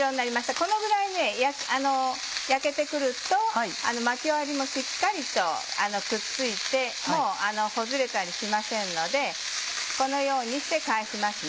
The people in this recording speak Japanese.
このぐらい焼けて来ると巻き終わりもしっかりとくっついてもうほぐれたりしませんのでこのようにして返します。